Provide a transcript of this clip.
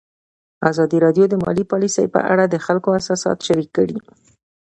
ازادي راډیو د مالي پالیسي په اړه د خلکو احساسات شریک کړي.